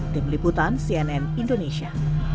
demi liputan cnn indonesia